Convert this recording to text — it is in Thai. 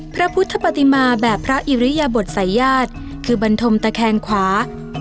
พระพุทธปฏิมาแบบพระอิริยบทสายญาติคือบรรทมตะแคงขวา